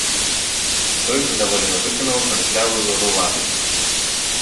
Той задаволена выканаў танклявую руладу.